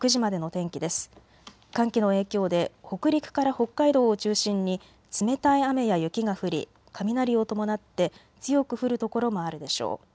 寒気の影響で北陸から北海道を中心に冷たい雨や雪が降り雷を伴って強く降る所もあるでしょう。